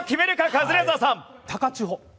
カズレーザーさん。